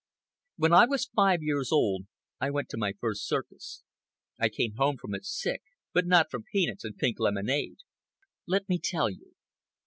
When I was five years old I went to my first circus. I came home from it sick—but not from peanuts and pink lemonade. Let me tell you.